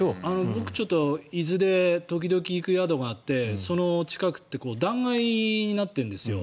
僕、伊豆で時々、行く宿があってその近くって断崖になっているんですよ。